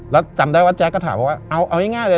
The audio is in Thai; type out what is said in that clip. แล้วจำได้ว่าแจ๊กก็ถามว่าเอาง่ายเลย